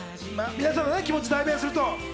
皆さんの気持ちを代弁すると。